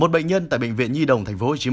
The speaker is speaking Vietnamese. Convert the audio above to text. một bệnh nhân tại bệnh viện nhi đồng tp hcm